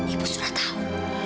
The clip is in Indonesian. ibu sudah tahu